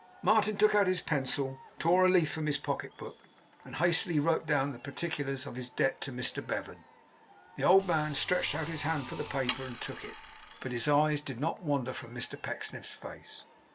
Martin took out his pencil, tore a leaf from his pocket book, and hastily wrote down the particulars of his debt to Mr Bevan. The old man stretched out his hand for the paper, and took it; but his eyes did not wander from Mr Pecksniff's face.